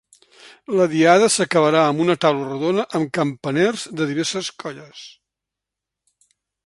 La diada s’acabarà amb una taula rodona amb campaners de diverses colles.